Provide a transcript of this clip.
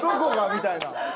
みたいな。